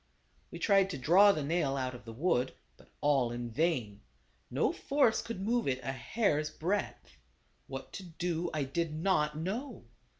We tried to draw the nail out of the wood, but all in vain ; no force could move it a hair's breadth. What to do I did not know.